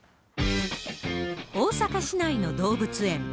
大阪市内の動物園。